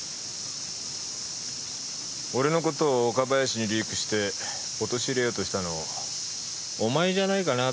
俺の事を岡林にリークして陥れようとしたのお前じゃないかなって